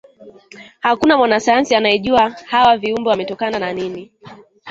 hakuna mwanasayansi aliejua hawa viumbe wametokana na nini